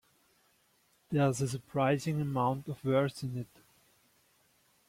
There's a surprising amount of words in it.